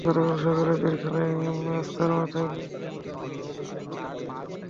কিন্তু গতকাল সকালে পীরখাইন রাস্তার মাথায় দুই গ্রামের লোকজনের মধ্যে কথা-কাটাকাটি হয়।